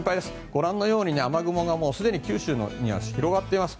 ご覧のように雨雲がすでに九州では広がっています。